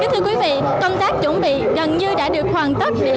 thưa quý vị công tác chuẩn bị gần như đã được hoàn tất